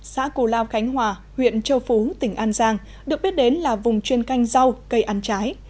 xã cù lao khánh hòa huyện châu phú tỉnh an giang được biết đến là vùng chuyên canh rau cây ăn trái